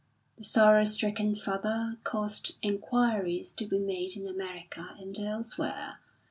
The sorrow stricken father caused enquiries to be made in America and elsewhere.